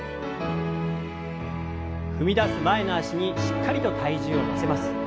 踏み出す前の脚にしっかりと体重を乗せます。